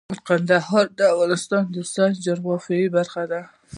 کندهار د افغانستان د سیاسي جغرافیه برخه ده.